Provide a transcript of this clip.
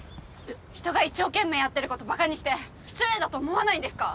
人が一生懸命やってることバカにして失礼だと思わないんですか？